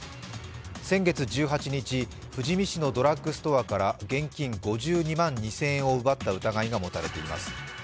先月１８日、富士見市のドラッグストアから現金５２万２０００円を奪った疑いが持たれています。